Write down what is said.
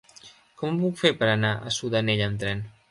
Com ho puc fer per anar a Sudanell amb tren?